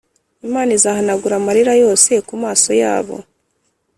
‘Imana Izahanagura amarira yose ku maso yabo